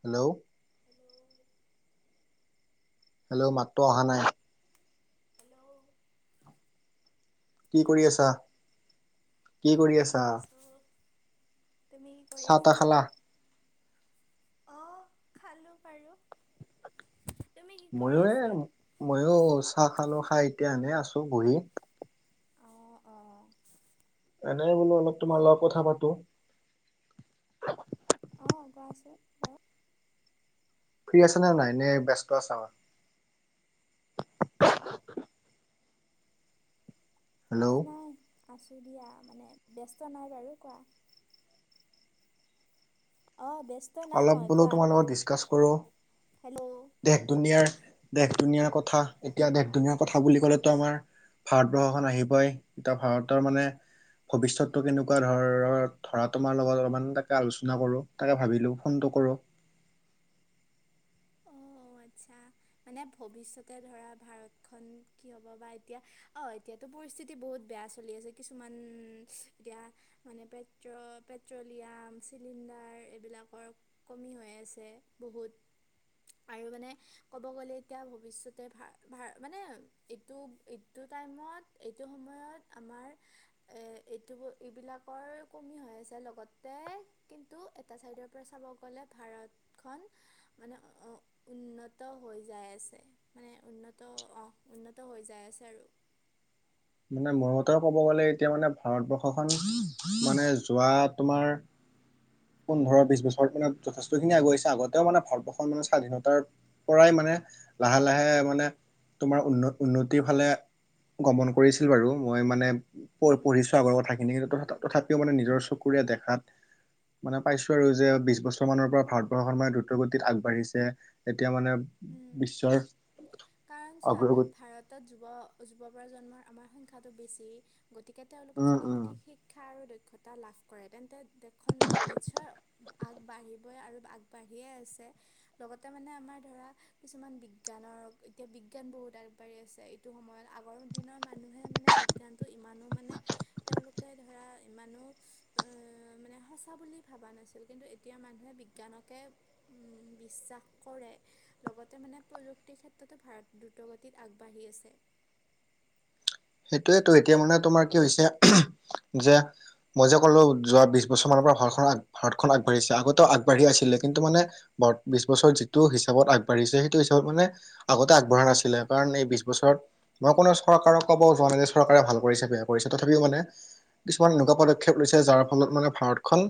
Hello hello hello মাতটো অহা নাই হেল্ল' কি কৰি হেল্ল' আছা কি কৰি এনেই আছা আছোঁ তুমি কি কৰি চাহ তাহ আছা খালা অ', খালো বাৰু তুমি কি কৰি ময়ো এ আছা? ময়ো চাহ খালো খাই এতিয়া এনে আছো বহি অঁ অঁ এনে বোলো অলপ তোমাৰ লগত কথা পাতো অ', কোৱাচোন বাৰু ফ্ৰী আছা নে নাই এ নে ব্যস্ত আছা হেল্ল' অ', নাই আছোঁ দিয়া মানে ব্যস্ত নাই বাৰু কোৱা অ', অলপ বোলো তোমাৰ লগত ডিচকাছ কৰোঁ হেল্ল' দেশ দুনীয়াৰ দেশ দুনীয়াৰ কথা এতিয়া দেশ ধুনীয়াৰ কথা বুলি ক'লেতো আমাৰ ভাৰতবৰ্ষখন আহিবই এতিয়া ভাৰতৰ মানে ভৱিষ্যতটো কেনেকুৱা ধৰৰ ধৰা তোমাৰ লগত অলপমান তাকে আলোচনা কৰো তাকে ভাবিলো ফোনটো কৰো অঁ আচ্ছা মানে ভৱিষ্যতে ধৰা ভাৰতখন কি হ'ব বা এতিয়া অ' এতিয়াতো পৰিস্থিতি বহুত বেয়া চলি আছে কিছুমান এতিয়া মানে পে পেট্ৰলিয় আঁ ছিলিণ্ডাৰ এবিলাকৰ কমি হৈ আছে বহুত আৰু মানে ক'ব গ'লে এতিয়া ভৱিষ্যতে ভা ভা মানে এইটো এইটো ত টাইমত এইটো সময়ত আমাৰ এইটো এইবিলাকৰ কমি হৈ আছে লগতে কিন্তু এটা চাইডৰ পৰা চাব গ'লে ভাৰতখন মানে অ, [inaudible] উন্নত হৈ যাই আছে মানে উন্নত অ' উন্নত হৈ যাই আছে আৰু [inaudible] মানে মোৰ মতে ক'ব গ'লে এতিয়া মানে ভাৰতবৰ্ষখন মানে যোৱা তোমাৰ পোন্ধৰ বিশ বছৰত মানে যথেষ্টখিনি আগুৱাইছে আগতেও মানে ভাৰতবৰ্ষত মানে স্বাধীনতাৰ পৰাই মানে লাহে লাহে মানে তোমাৰ উ উন্নতিৰ ফালে গমন পঢ়িছিল বাৰু মই মানে প উম, পঢ়িছো আগৰ কথাখিনি তথাপিও মানে নিজৰ উম, চকুৰে দেখাত মানে পাইছো আৰু যে বিশ বছৰ মানৰ পৰা ভাৰতবৰ্ষখন মানে দ্ৰুতগতিত আগবাঢ়িছে এতিয়া মানে উম বিশ্বৰ কাৰণ চোৱা অগ্ৰগতি ভাৰতত যুৱ যুৱ প্ৰজন্মৰ আমাৰ সংখ্যাটো বেছি গতিকে তেওঁলোকে উম যদি উম সঠিক শিক্ষা আৰু দক্ষতা লাভ কৰে তেন্তে দেখোন নিশ্চয় আগবাঢ়িব আৰু আগবাঢ়িয়ে আছে, লগতে মানে আমাৰ ধৰা কিছুমান বিজ্ঞানৰ, এতিয়া বিজ্ঞান বহুত আগবাঢ়ি আছে, এইটো সময়ত আগৰ দিনৰ মানুহে মানে বিজ্ঞানতটো ইমানো মানে, তেওঁলোকে ধৰা ইমানো, আহ মানে সচা বুলি ভাবা নাছিল, কিন্তু এতিয়া মানুহে বিজ্ঞানকে বিশ্বাস কৰে লগতে মানে প্ৰযুক্তিৰ ক্ষেত্ৰতো, ভাৰত দ্ৰুতগতিত আগবাঢ়ি আছে। সেইটোৱেতো, এতিয়া মানে তোমাৰ কি হৈছে, যে মই যে ক'লো, যোৱা বিশ বছৰ মানৰ পৰা ভাৰতখন-ভাৰতখন আগবাঢ়ি আছিলে, আগবাঢ়ি আছিলে কিন্তু মানে বিশ বছৰ যিটো হিচাপত আগবাঢ়িছে, সেইটো হিচাপত মানে আগতে আগবঢ়া নাছিলে, কাৰণ এই বিশ বছৰত মই কোনো চৰকাৰক ক'ব যোৱা নাই, যে চৰকাৰে ভাল কৰিছে বেয়া কৰিছে, তথাপিও মানে কিছুমান এনেকুৱা পদক্ষেপ লৈছে, যাৰ ফলত মানে ভাৰতখন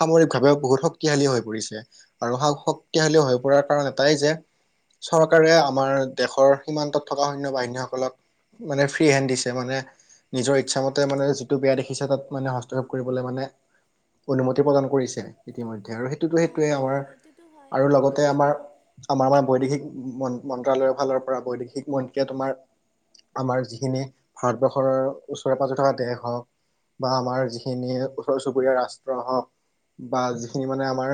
সামৰিকভাৱে বহুত শক্তিশালী হৈ পৰিছে। আৰু সা-শক্তিশালী হৈ পৰাৰ কাৰণ, এটাই যে চৰকাৰে আমাৰ দেশৰ সীমান্তত থকা সৈন্য বাহিনীসকলক, মানে ফ্ৰী হেড দিছে, মানে নিজৰ ইচ্ছা মতে মানে যিটো বেয়া দেখিছে, তাত মানে হস্তক্ষেপ কৰিবলৈ মানে অনুমতি প্ৰদান কৰিছে, ইতিমধ আৰু সেইটোতো সেইটোৱে, অ', আমাৰ অ', সেইটোতো হয়। আৰু লগতে আমাৰ, অ', আমাৰ-আমাৰ বৈদেশিক মন-মন্ত্ৰালয়ৰ ফালৰ পৰা বৈদেশিক মন্ত্ৰীয়ে তোমাৰ, আমাৰ যি খিনি ভাৰতবৰ্ষৰৰ, ওচৰে পাজৰে থকা দেশ হওক। বা আমাৰ যিখিনি ওচৰ চুবুৰীয়া ৰাষ্ট্ৰ হওঁক, বা যিখিনি মানে আমাৰ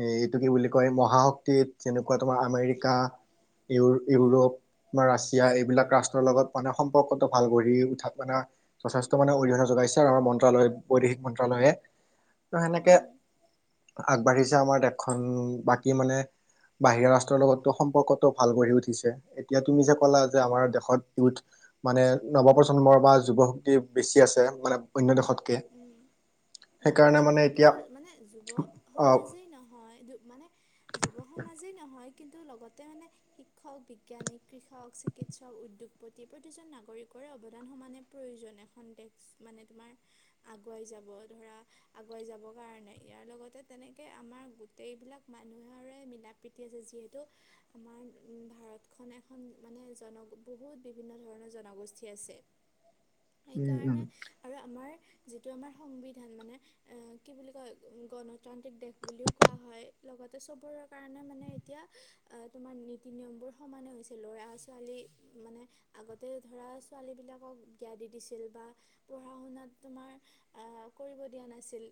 এ এইটো কি বুলি কয় মহাশক্তিত যেনেকুৱা তোমাৰ, আমেৰিকা ইউ-ইউৰোপ উম, বা ৰাছিয়া এইবিলাক উম, ৰাষ্ট্ৰৰ লগত পৰ্কটো ভাল গঢ়ি উঠাত, মানে যথেষ্ট মানে অৰিহণা যোগাইছে, আৰু আমাৰ মন্ত্ৰালয় বৈদেশিক মন্ত্ৰালয়ে ত সেনেকে, উম, আগবাঢ়িছে, আমাৰ দেশখন বাকী মানে বাহিৰা ৰাষ্ট্ৰৰ লগতো সম্পৰ্কটো ভাল গঢ়ি উঠিছে, এতিয়া তুমি যে ক'লা যে আমাৰ অ', দেশত ঠিক [unintelligible] মানে নৱপ্ৰজন্মৰ বা যুৱ শক্তি বেছি আছে, অন্য দেশত উম। [unintelligible] উম, এতিয়া কেৱল মানে যুৱ অ সমাজেই নহয়, যু মানে যুৱ সম মাজে নহয় কিন্তু লগতে মানে, শিক্ষক, বিজ্ঞানী, কৃষক, চিকিৎসক, উদ্যোগপতি প্ৰতিজন নাগৰিকৰ অৱদান সমানে প্ৰয়োজন, এখন দেশ, মানে তোমাৰ আগুৱাই যাব, ধৰা আগুৱাই যাবৰ কাৰণে ইয়াৰ লগতে তেনেকে আমাৰ গোটেইবিলাক মা মানুহৰে মিলা প্ৰীতি আছে, যিহেতু আমাৰ ভাৰতখন এখন মানে জন বহুত বিভিন্ন ধৰণৰ জনগোষ্ঠী আছে, উম উম সেইকাৰণে আৰু আমাৰ যিটো আমাৰ সংবিধান মানে, এ কি বুলি কয় গণতান্ত্ৰিক দেশ বুলিও কোৱা হয়, লগ লগতে চবৰেৰ কাৰণে, মানে এতিয়া তোমাৰ নীতি নিয়মবোৰ সমানে হৈছে, ল'ৰা, ছোৱালী মানে, আগতে ধৰা ছোৱালীবিলাকক বিয়া দি দিছিল, বা পঢ়া শুনাত তোমাৰ [unintelligible] কৰিব দিয়া নাছিল,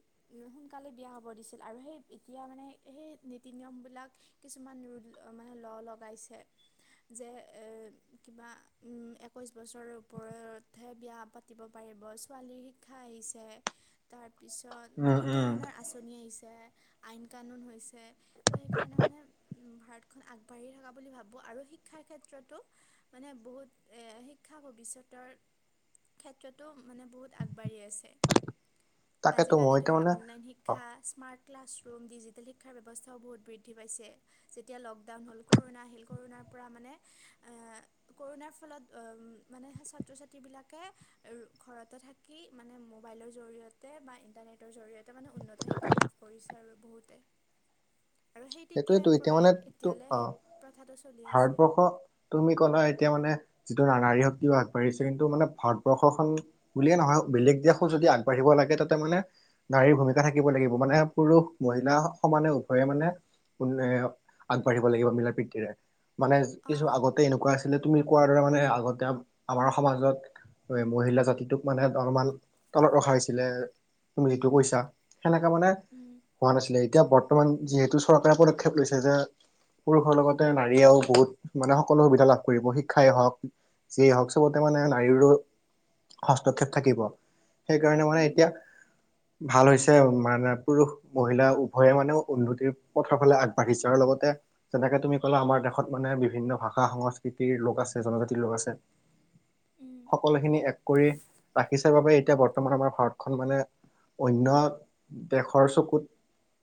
সোনকালে বিয়া হব দিছিল, আৰু সেই এতিয়া মানে, সেই নীতি নিয়ম বিলাক, কিছুমান ৰু মানে ল লগাইছে। যে এ কিবা উম, একৈশ বছৰৰ ওপৰতহে বিয়া পাতিব পাতিব পা ৰিব ছোৱালীৰ শিক্ষা আহিছে, তাৰপিছত উম বহুত উম ধৰণৰ আঁচনি আহিছে আইন কানুন হৈছে, ত' সেইকাৰণে মানে উম, ভাৰতখন আগবাঢ়ি থকা বুলি ভাবো, আৰু শিক্ষাৰ ক্ষেত্ৰতো, মানে বহুত এ শিক্ষা ভৱিষ্যতৰ ক্ষেত্ৰতো মানে বহুত, আগ বাঢ়ি আছে, তাকেতো আজিকালি মই তাৰ ধৰা মানে অনলাইন অ শিক্ষা, স্মাৰ্ট ক্লাছৰুম, ডিজিটেল শিক্ষাৰ ব্যৱস্থাও বহুত বৃদ্ধি পাইছে, যেতিয়া লকডাউন হ'ল ক'ৰ'না আহিল, ক'ৰ'নাৰ পৰা মানে, আহ, কৰুণাৰ ফলত অম, মানে ছাত্ৰ ছাত্ৰী বিলাকে ঘৰতে থাক কি মানে মোবাইলৰ জৰিয়তে বা ইন্টাৰনেটৰ জৰি়য়তে মানে উন্নত শিক্ষা লাভ কৰিছে আৰু বহুতে। আৰু সেই [inaudible] তেতিয়াৰ সেইটোৱেতো এতিয়া পৰাই মানে, ত, এতিয়ালৈ সেই অ', প্ৰথাটো চলি আছে ভাৰতবৰ্ষ, তুমি ক'লা এতিয়া মানে যিটো না-নাৰী শক্তিও আগবাঢ়িছে। কিন্তু মানে ভাৰতবৰ্ষখন বুলিয়ে নহয়, বেলেগ দেশো যদি আগবাঢ়িব লা তাকে তাতে মানে নাৰীৰ ভূমিকা থাকিব লাগিব। মানে পুৰুষ-মহিলা সমানে উভয়ে মানে কুলুৱে আগবাঢ়িব লাগিব মিলা-প্ৰীতিৰে। মানে কিছু অঁ আগতে এনেকুৱা আছিলে তুমি কোৱাৰ দৰে মানে, আগতে আ-আমাৰ সমাজত কৰে মহিলা জাতিটোক মানে অলপমান তলত ৰখা হৈছিলে। তুমি যিটো উম কৈছা, সেনেকা মানে উম হোৱা নাছিলে। এতিয়া বৰ্তমান যিহেতু ছু চৰকাৰে পদক্ষেপ লৈছে যে পুৰুষৰ লগতে নাৰীয়েও বহুত মানে, সকলো সুবিধা লাভ কৰিব শিক্ষাই হওঁক, যিয়েই হওঁক চবত তাতে মানে নাৰীৰো উম হস্তক্ষেপ থাকিব। সেইকাৰণে মানে উম এতিয়া ভাল হৈছে। মানে পুৰুষ-মহিলা উভয়ে মানে উন্নতিৰ পথৰ ফালে আগবাঢ়িছে, আৰু লগতে যেনেকে তুমি ক'লা আমাৰ দেশত মানে বিভিন্ন ভাষা-সংস্কৃতিৰ লোক আছ ছে জনজাতিৰ লোক আছে। উম সকলোখিনি এক কৰি ৰাখিছে বাবে এ এতিয়া বৰ্তমান আমাৰ ভাৰতখন মানে অন্য দেশৰ চকুত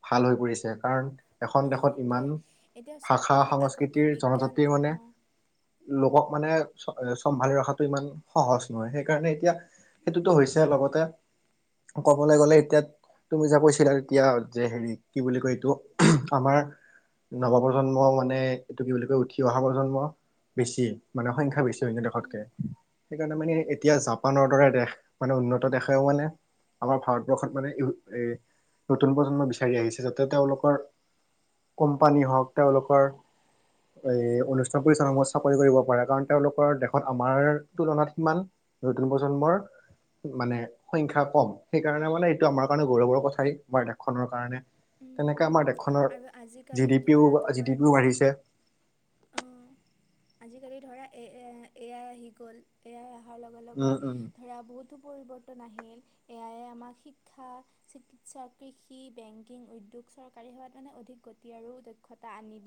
ভাল হৈ পৰিছে, কাৰণ এখন অঁ দেশত সেইটোৱে ইমান এতিয়া চোৱা আগতে ভাষা-সংস্কৃতিৰ, বিজ্ঞান জনজাতিৰ মানে অঁ লোকক মানে চ-চম্ভালি ৰখাতটো ইমান সহজ নহয়। সেইকাৰণে এতিয়া সেইটোতো হৈছে, লগতে ক'বলৈ গ'লে এতিয়া, তুমি যে কৈছিলা তেতিয়া যে হেৰি কি বুলি কয় এইটো আমাৰ নৱপ্ৰজন্ম মানে, এইটো কি বুলি কয় উঠি অহা প্ৰজন্ম বেছি। মানে সংখ্যা বেছি। [unintelligible] উম দেশতকে। সেইকাৰণে মানে উম, এতিয়া জাপানৰ দৰে দেশ, মানে উন্নত দেশেও মানে আমাৰ ভাৰতবৰ্ষত মানে ই-এ-নতুন প্ৰজন্ম বিচাৰি আহিছে যাতে তেওঁলোকৰ কোম্পানী হওক, তেওঁলোকৰ এ [unintelligible] সমূহত চাকৰি কৰিব পাৰে। কাৰণ তেওঁলোকৰ দেশত আমাৰ তুলনাত সিমান নতুন প্ৰজন্মৰ মানে সংখ্যা কম। সেইকাৰণে মানে এইটো আমাৰ কাৰণে গৌৰৱৰ কথাই আমাৰ দেশখনৰ কাৰণে। উম, উম। খনৰ আৰু জি আজিকালি ডি ধৰা পিও-জি তোমাৰ ডি পিও বাঢ়িছে। অ', আজিকালি ধৰা এ-এ- এ আই আহি গ'ল। এ আই অহাৰ লগে-লগে উম উম ধৰা বহুতো পৰিৱৰ্তন আহিল। এ আই আমাক শিক্ষা, চিকিৎসা, কৃষি, বেংকিং, উদ্যোগ চৰকাৰী সেৱাত মানে অধিক গতি আৰু দক্ষতা আনিব।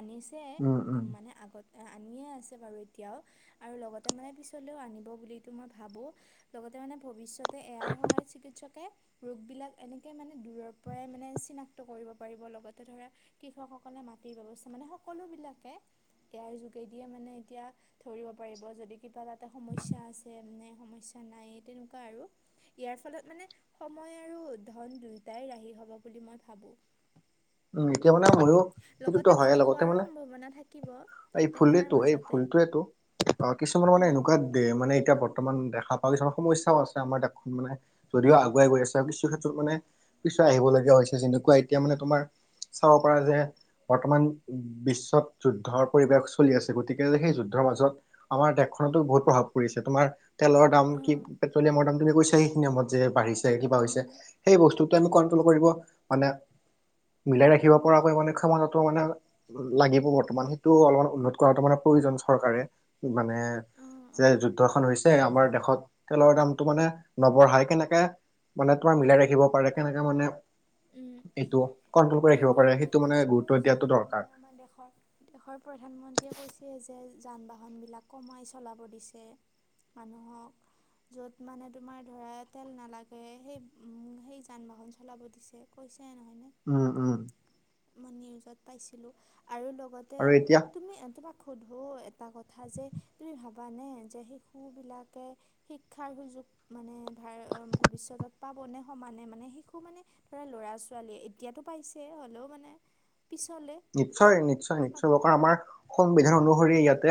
আনিছে, উম উম অ-মানে আগত আনিয়ে [inaudible] আছে বাৰু এতিয়াও, আৰু লগতে মানে পিছলৈও আনিব বুলিটু মই ভাবো। লগতে মানে ভৱিষ্যত তে এ আইৰ সহায়ত চিকিৎসকে ৰোগ বিলাক এনেকে মানে দূৰৰ পৰাই মানে চিনাক্ত কৰিব পাৰিব। লগতে ধৰা কৃষকসকলে মাটিৰ ব্যৱস্থা মানে সকলোবিলাক [inaudible] এ আইৰ যোগেদিয়ে মানে এতিয়া ধৰিব পাৰিব। যদি কিবা তাতে সমস্যা আছে, মানে সমস্যা নাই তেনেকুৱা আৰু। ইয়াৰ ফলত মানে সময় আৰু ধন দুইটাই ৰাহি হব বুলি মই ভাবোঁ। উম, এতিয় [unintelligible] মইও সেইটোতো লগতে হয়ে। ভুল লগতে হোৱাৰো মানে সম্ভাৱনা থাকিব এই তাতে তাৰ ভুলেটো এই মাজতে ভুলটোৱোটো অ, কিছুমান মানে উম এনেকুৱাত দে মানে, ব বৰ্তমান দেখা পাওঁ কিছুমান সমস্যাও আছে। আমাৰ দেশখন মানে যদিও আগুৱাই গৈ আছে, আৰু কিছু ক্ষেত্ৰত মানে কিছ আহিব লগীয়া হৈছে যেনেকুৱা এতিয়া মানে তোমাৰ চাব পাৰা যে, বৰ্তমান বিশ্বত যুদ্ধৰ পৰিৱেশ চলি আছে গতিকে সেই যুদ্ধৰ মাজত আমাৰ দেশখনতো বহুত প্ৰভাৱ পৰিছে। তোমাৰ তেলৰ দাম অ কি, পেট্ৰলিয়ামৰ দাম তুমি কৈছ সেই নিয়মত যে বাঢ়িছে কিবা হৈছে। উম, সেই বস্তুটো আমি কন্ট্ৰল কৰিব মানে মিলাই ৰাখিব পৰাকৈ মানে ক্ষমতাটো মানে লাগিব বৰ্তমান সেইটো অলপমান উন্নত কৰাটো মানে প্ৰয়োজন চৰকাৰে মানে অ', যে, অ', যুদ্ধখন হৈছে আমাৰ দেশত তেলৰ দামটো মানে নবঢ়াই কেনেকে মানে তোমাৰ মিলাই ৰাখিব পাৰে কেনেকা মানে উম। এইটো কন্ট্ৰল কৰি ৰাখিব পাৰে সেইটো এইকাৰণেতো মানে গুৰুত্ব কৈছে দিয়াটো দৰকাৰ নহয়, আমাৰ দেশৰ, দেশৰ প্ৰধানমন্ত্ৰীয়ে কৈছে যে, যান বাহন বিলাক কমাই চলাব দিছে মানুহক য'ত মানে তোমাৰ ধৰা তেল নালাগে সেই উম, সেই যান বাহন চলাব দিছে কৈছে নহয় উম, উম। নিউজত পাইছিলো আৰু লগতে আৰু এতিয়া তুমি তোমাৰ সোধো এটা কথা যে, তুমি ভাবানে? যে, শিশু বিলাকে শিক্ষাৰ সুযোগ মানে ভ ভৱিষ্যতত পাবনে সমানে? মানে শিশু মানে ধৰা ল'ৰা ছোৱালীয়ে এতিয়াতো পাইছে হ'লেও মানে পিছলে নিশ্চয়, নিশ্চয়, পাব নিশ্চয়ৰ কাৰ আমাৰ সংবিধান অনুসৰি ইয়াতে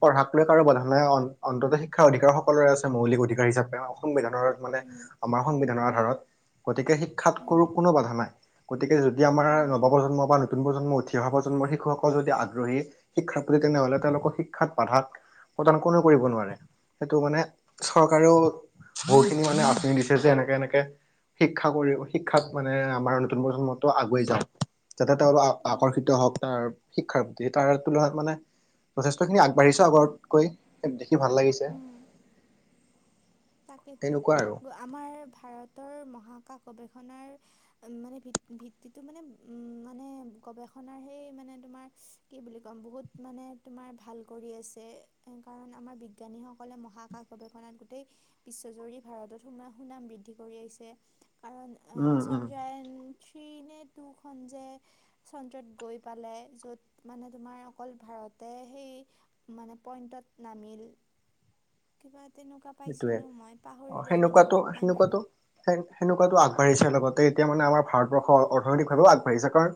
পঢ়াক লৈ কাৰো বাধা নাই অন্তত শিক্ষাৰ অধিকাৰ সকলোৰে আছে, মৌলিক অধিকাৰ হিচাপে সংবিধান মানে উম আমাৰ সংবিধানৰ আধাৰত গতিকে শিক্ষাত উম কৰো কোনো বাধা নাই। গতিকে যদি আমাৰ উম নৱ প্ৰজন্ম বা নতুন প্ৰজন্ম ঠিয় প্ৰজন্মৰ শিশুসকল যদি আগ্ৰহী শিক্ষাৰ প্ৰতি তেনেহ'লে তেওঁলোকক শিক্ষাত বাধাত প্ৰদান কোনেও কৰিব নোৱাৰে, সেইটো মানে চৰকাৰেও বহুতখিনি মানে আপুনি দিছে যে, এনেকে এনেকে শিক্ষা কৰি শিক্ষাত মানে আমাৰ নতুন প্ৰজন্মতো আগুৱাই যাওঁক যাতে তেওঁলোক উম আকৰ্ষিত হওঁক তাৰ শিক্ষাৰ প্ৰতি তাৰ তুলনাত মানে যথেষ্ট খিনি আগবাঢ়িছ আগতকৈ, দেখি ভাল লাগিছে। উম তাকেতো তেনেকুৱা আৰু আমাৰ ভাৰতৰ মহা কা গৱেষণাৰ উম, মানে ভি ভিত্তিটো মানে উম, মানে গৱেষণাৰ সেই মানে তোমাক কি বুলি কম বহুত মানে তোমাৰ ভাল কৰি আছে, কাৰণ আমাৰ বিজ্ঞানী সকলে মহাকাশ গৱেষণাত গোটেই বিশ্বজুৰি ভাৰতত সুম সুনাম বৃদ্ধি কৰি আহিছে, কাৰণ উম উম চন্দ্ৰায়ন থ্ৰী নে টো খন যে, চন্দ্ৰত গৈ পালে য'ত মানে তোমাৰ অকল ভাৰতে সেই মানে পইন্টত নামিল, কিবা তেনেকুৱা পাইছিল সিটোৱে অ', সেনেকুৱাটো, সেনেকুৱাটো, সেনেকুৱাটো আগবাঢ়িছে লগত ত এতিয়া মানে আমাৰ ভাৰতবৰ্ষ অৰ্থনৈতিকভাৱে আগবাঢ়িছে কাৰণ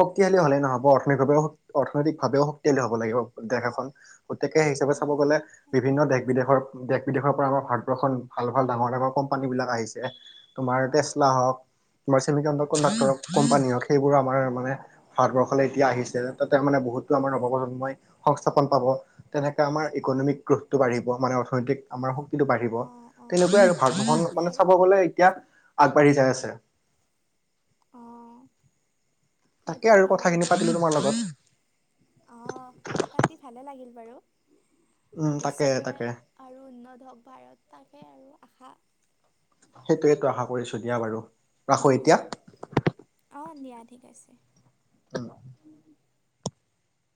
শক্তিশালী হ'লেই নহ'ব অৰ্থনৈতিকভাৱেও অৰ্থনৈতিকভাৱেও শক্তিশালী হ'ব লাগিব দেশ এখন গতিকে সেই হিচাপে চাব অঁ গ'লে বিভিন্ন সেইটোৱেতো দেশ বিদেশৰ দেশ বিদেশৰ পৰা আমাৰ ভাৰতবৰ্ষত ভাল, ভাল ডাঙৰ, ডাঙৰ কোম্পানী বিলাক আহিছে তোমাৰ টেচলা হওঁক তোমাৰ চিমি কাউন্দ্দৰ কণ্ডাক্টৰক কোম্পানী হওঁক সেইবোৰ আমাৰ মানে ভাৰতবৰ্ষলৈ এতিয়া আহিছে তাতে মানে বহুতো আমাৰ নৱপ্ৰজন্মই সংস্থাপন পাব তেনেকে আমাৰ ইকনমিক গ্ৰোপটো বাঢ়িব মানে অৰ্থনৈতিক আমাৰ শক্তিটো বাঢ়িব, অঁ অঁ তেনেকুৱাই আৰু ভাগ ভকন সেইটোৱে মানে আৰু চাব গ'লে এতিয়া [unintelligible] আছে। অ'। তাকে আৰু কথাখিনি পাতিলো তোমাৰ লগত অ', পাতি ভালে লাগিল বাৰু। উম তাকে ভৱিষ্যতে তাকে আৰু উন্নত হওঁক ভাৰত তাকে আৰু আশা। সেইটোৱেটো আশা কৰিছো দিয়া বাৰু ৰাখো এতিয়া। অঁ দিয়া ঠিক আছে। উম।